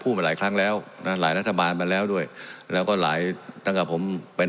มาหลายครั้งแล้วนะหลายรัฐบาลมาแล้วด้วยแล้วก็หลายตั้งแต่ผมเป็น